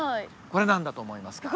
これ何だと思いますか？